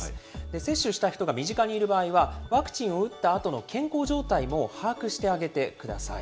接種した人が身近にいる場合は、ワクチンを打ったあとの健康状態も把握してあげてください。